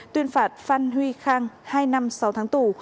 tuyên phạt phan huy khang hai năm sáu tháng tù